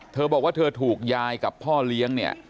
เธอบอกว่าเธอถูกยายกับพ่อเลี้ยงเนี่ย